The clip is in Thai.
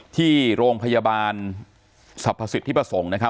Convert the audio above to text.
ที่โรงพยาบาลทรัพธศิษฐ์ที่ประสงค์